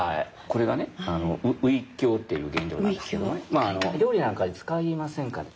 これがねウイキョウっていう原料なんですけどまああの料理なんかに使いませんかね。